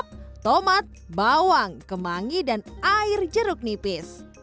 ini ikan cakalang asap tomat bawang kemangi dan air jeruk nipis